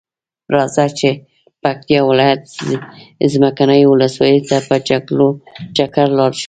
راځۀ چې پکتیا ولایت څمکنیو ولسوالۍ ته په چکر لاړشو.